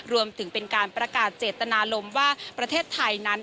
รวมถึงเป็นการประกาศเจตนารมณ์ว่าประเทศไทยนั้น